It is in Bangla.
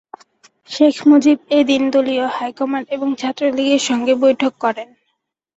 শেখ মুজিব এদিন দলীয় হাইকমান্ড এবং ছাত্রলীগের সঙ্গে বৈঠক করেন।